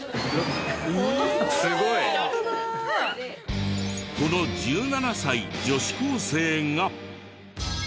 すごい！この１７歳女子高生が。